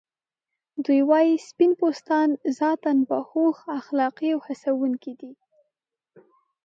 دوی وايي سپین پوستان ذاتاً باهوښ، اخلاقی او هڅونکي دي.